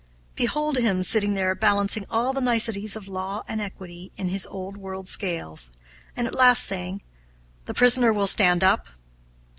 Behold him sitting there, balancing all the niceties of law and equity in his Old World scales, and at last saying, "The prisoner will stand up."